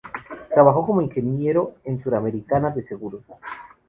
Trabajó como ingeniero en Suramericana de Seguros.